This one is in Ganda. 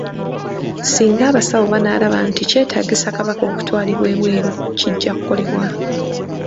Singa abasawo banaalaba nti kyetaagisa Kabaka okutwalibwa ebweru, kijja kukolebwa